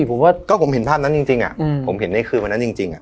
ผมว่าก็ผมเห็นภาพนั้นจริงจริงอ่ะอืมผมเห็นได้คือว่านั้นจริงจริงอ่ะ